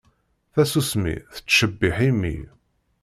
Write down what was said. Tasusmi tettcebbiḥ imi.